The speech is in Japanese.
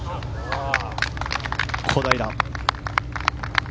小平。